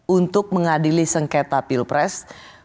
untuk mengadili sengketa pilpres